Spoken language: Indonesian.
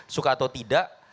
suka atau tidak